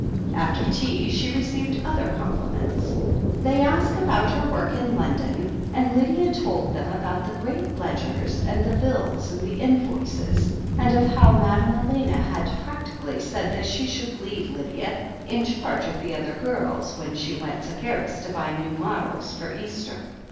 After tea she received other compliments. They asked about her work in London, and Lydia told them about the great ledgers, and the bills and the invoices, and of how Madame Elena had practically said that she should leave Lydia in charge of the other girls, when she went to Paris to buy new models for Easter.